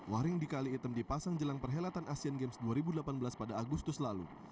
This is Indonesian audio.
waring di kali item dipasang jelang perhelatan asean games dua ribu delapan belas pada agustus lalu